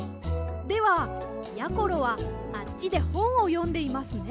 ではやころはあっちでほんをよんでいますね。